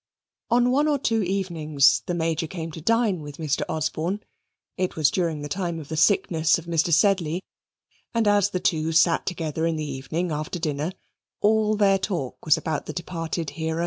On one or two evenings the Major came to dine with Mr. Osborne (it was during the time of the sickness of Mr. Sedley), and as the two sat together in the evening after dinner, all their talk was about the departed hero.